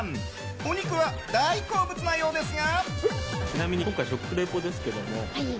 お肉は大好物なようですが。